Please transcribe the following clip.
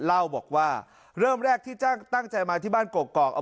เล่าบอกว่าเริ่มแรกที่จ้างตั้งใจมาที่บ้านเกาะเกาะ